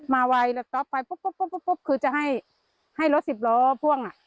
ไวแล้วก็ไปปุ๊บปุ๊บคือจะให้ให้รถสิบล้อพ่วงอ่ะ